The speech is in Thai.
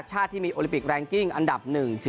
ชาติที่มีโอลิปิกแรงกิ้งอันดับ๑๒